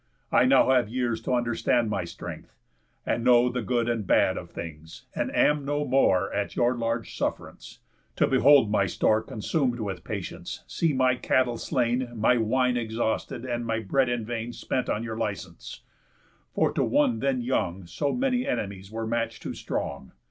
I now Have years to understand my strength, and know The good and bad of things, and am no more At your large suff'rance, to behold my store Consum'd with patience, see my cattle slain, My wine exhausted, and my bread in vain Spent on your license; for to one then young So many enemies were match too strong.